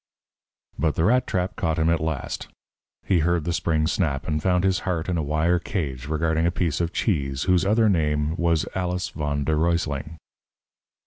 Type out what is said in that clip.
But the Rat trap caught him at last; he heard the spring snap, and found his heart in a wire cage regarding a piece of cheese whose other name was Alice von der Ruysling.